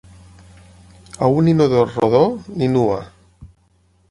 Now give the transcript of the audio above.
A un inodor rodó, ni nua.